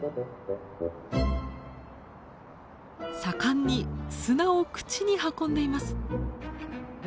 盛んに砂を口に運んでいます。